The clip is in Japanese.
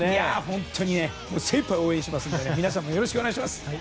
本当に精いっぱい応援しますので皆さんもよろしくお願いします！